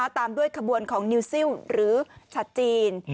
ตามด้วยขบวนของนิวซิลหรือชัดจีน